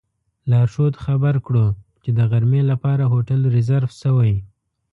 لارښود خبر کړو چې د غرمې لپاره هوټل ریزرف شوی.